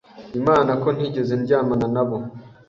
Imana ko ntigeze ndyamana nabo